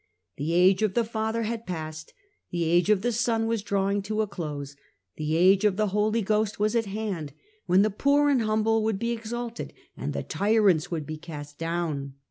The age of the Father had passed, the age of the Son was drawing to a close, the age of the Holy Ghost was at hand, when the poor and humble would be exalted, and the tyrants would be cast down.